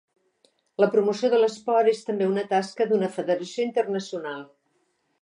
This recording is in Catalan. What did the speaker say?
La promoció de l'esport és també una tasca d'una federació internacional.